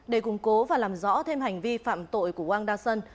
để củng cố và làm rõ thêm hành vi phạm tội của wang da shen